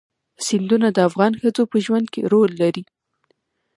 سیندونه د افغان ښځو په ژوند کې رول لري.